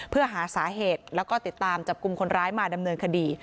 เพื่อหาสาเหตุแล้วก็ติดตามจับกลุ่มคนร้ายมาดำเนินคดี